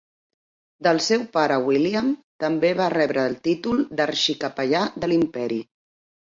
Del seu pare William també va rebre el títol d'Arxi-capellà de l'Imperi.